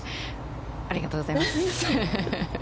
ありがとうございます。